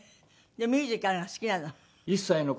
ミュージカルが好きなの？